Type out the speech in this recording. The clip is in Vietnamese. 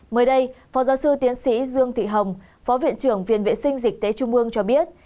mới đây phó giáo sư tiến sĩ dương thị hồng phó viện trưởng viện vệ sinh dịch tế trung ương cho biết